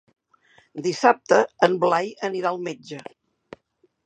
Dissabte en Blai anirà al metge.